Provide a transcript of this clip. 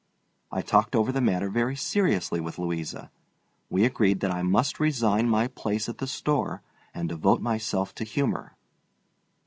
I talked over the matter very seriously with Louisa. We agreed that I must resign my place at the store and devote myself to humor.